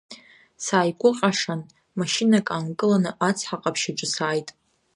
Сааикәыҟьашан, машьынак аанкыланы Ацҳа ҟаԥшь аҿы сааит…